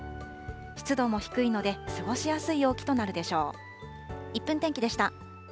湿度も低いので、過ごしやすい陽気となるでしょう。